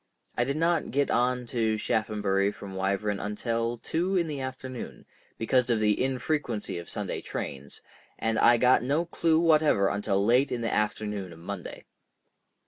I did not get on to Shaphambury from Wyvern until two in the afternoon, because of the infrequency of Sunday trains, and I got no clue whatever until late in the afternoon of Monday.